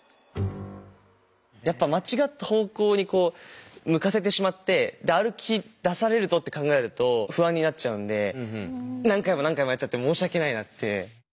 やっぱ間違った方向にこう向かせてしまって歩きだされるとって考えると不安になっちゃうんで何回も何回もやっちゃって申し訳ないなって。